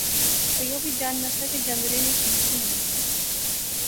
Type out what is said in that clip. او یو وی جاننا سا کہ جندرے نی سم سی ہونی